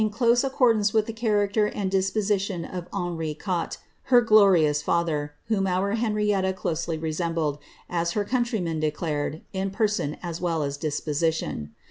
close acconlance with the character and disposition of Henri Qiutref faff '' glorious father, whom our Henrietta closely resembled, as her conntif ^ men declared, in person as well as disposition.